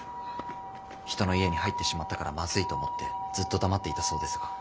人の家に入ってしまったからまずいと思ってずっと黙っていたそうですが。